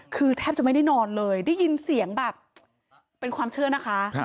คือแทบจะไม่ได้นอนเลยได้ยินเสียงแบบเป็นความเชื่อนะคะ